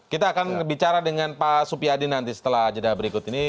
kita akan bicara dengan pak supiadi nanti setelah jeda berikut ini